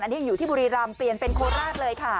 อันนี้ยังอยู่ที่บุรีรำเปลี่ยนเป็นโคราชเลยค่ะ